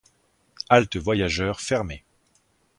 Halte voyageurs fermée.